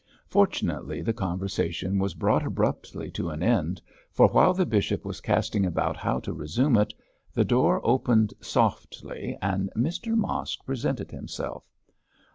Fortunately the conversation was brought abruptly to an end, for while the bishop was casting about how to resume it, the door opened softly and Mr Mosk presented himself.